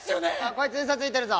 こいつウソついてるぞ。